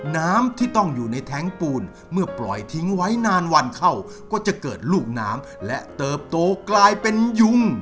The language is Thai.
น้ำที่ต้องอยู่ในแท้งปูนเมื่อปล่อยทิ้งไว้นานวันเข้าก็จะเกิดลูกน้ำและเติบโตกลายเป็นยุง